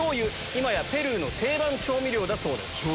今やペルーの定番調味料だそうです。